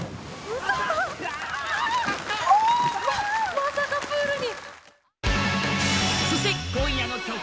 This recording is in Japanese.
まさかプールに。